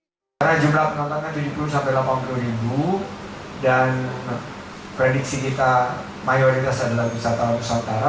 menteri pariwisata dan ekonomi kreatif sandiaga uno mengatakan pihaknya mencapai satu empat miliar pergerakan wisatawan nusantara